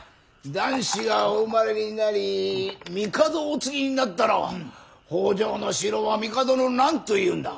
男子がお生まれになり帝をお継ぎになったら北条四郎は帝の何というんだ。